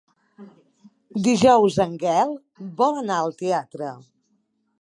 Dijous en Gaël vol anar al teatre.